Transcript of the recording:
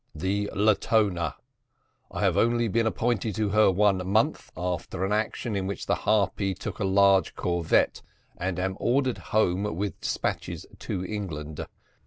"The Latona! I have only been appointed to her one month, after an action in which the Harpy took a large corvette, and am ordered home with despatches to England.